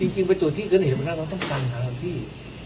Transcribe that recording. จริงไปตรวจที่ก็เห็นว่าเราต้องการหาที่